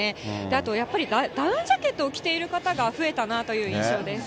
あとやっぱり、ダウンジャケットを着ている方が増えたなという印象です。